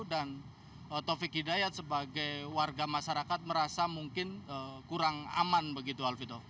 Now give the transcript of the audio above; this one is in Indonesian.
dan taufik hidayat sebagai warga masyarakat merasa mungkin kurang aman begitu alvito